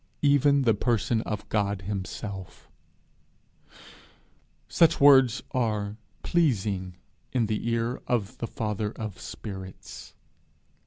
even the person of God himself! Such words are pleasing in the ear of the father of spirits.